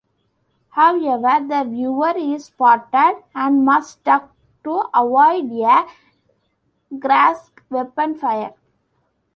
However, the viewer is spotted, and must duck to avoid a Graske's weapon fire.